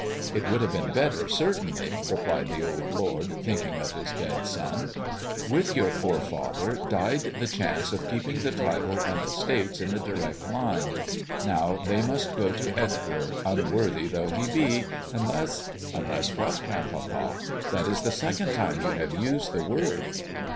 " It would have been better, certainly," replied the old lord, thinking of his dead son; "with your poor father died the chance of keeping the title and estates in the direct line. Now they must go to Edgar, unworthy though he be — unless "" Unless what, grandpapa ? That is the second time you have used the word."